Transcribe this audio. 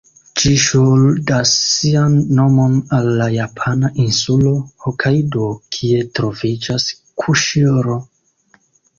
Ĝi ŝuldas sian nomon al la japana insulo Hokajdo, kie troviĝas Kuŝiro.